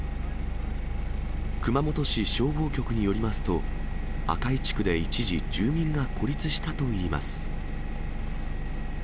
熊本市消防局によりますと、赤井地区で一時、住民が孤立したといいます。